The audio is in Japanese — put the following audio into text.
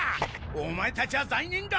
オマエたちは罪人だ！